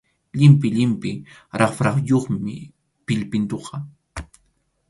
Llimpʼi llimpʼi raprayuqmi pillpintuqa.